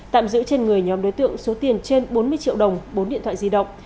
tạm giữ trên người nhóm đối tượng số tiền trên bốn mươi triệu đồng bốn điện thoại di động